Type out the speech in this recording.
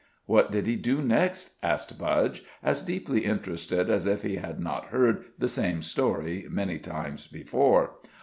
"What did He do next?" asked Budge, as deeply interested as if he had not heard the same story many times before.